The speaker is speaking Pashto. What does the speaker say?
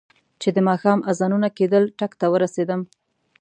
چې د ماښام اذانونه کېدل ټک ته ورسېدم.